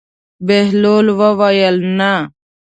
بهلول وویل: نه.